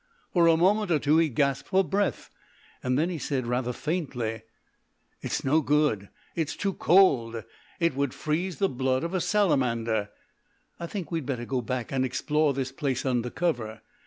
For a moment or two he gasped for breath, and then he said rather faintly: "It's no good, it's too cold. It would freeze the blood of a salamander. I think we'd better go back and explore this place under cover.